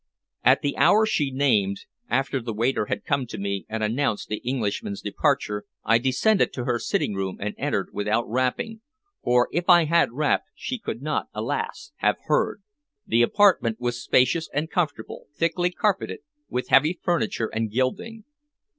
At the hour she named, after the waiter had come to me and announced the Englishman's departure, I descended to her sitting room and entered without rapping, for if I had rapped she could not, alas! have heard. The apartment was spacious and comfortable, thickly carpeted, with heavy furniture and gilding.